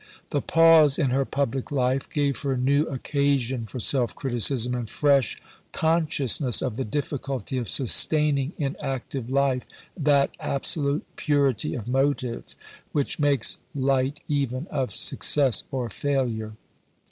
The pause in her public life gave her new occasion for self criticism and fresh consciousness of the difficulty of sustaining in active life that absolute purity of motive which makes light even of success or failure.